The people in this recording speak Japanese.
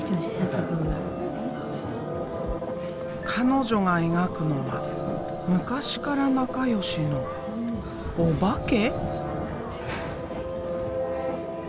彼女が描くのは昔から仲良しのおばけ？